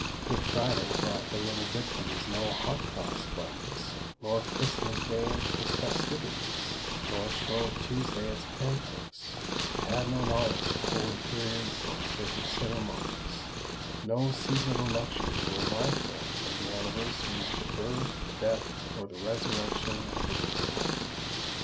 Good Friday brought the little victims no hot cross buns, nor Christmas Day its festivities, nor Shrove Tuesday its pancakes:—they had no knowledge of holy periods nor sacred ceremonies;—no seasonable luxury reminded them of the anniversaries of the birth, the death, or the resurrection of a Redeemer.